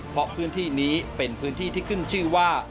เพราะพื้นที่นี้เป็นพื้นที่ที่ขึ้นชื่อว่า